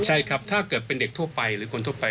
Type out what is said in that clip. ใช่ครับถ้าเกิดเป็นเด็กทั่วไปหรือคนทั่วไป